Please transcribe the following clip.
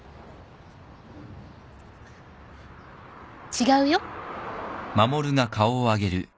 違うよ。